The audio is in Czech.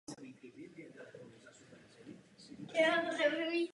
Nepřijmeme-li opatření, cíle nedosáhneme.